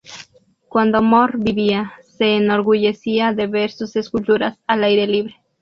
Cuando Moore vivía, se enorgullecía de ver sus esculturas al aire libre.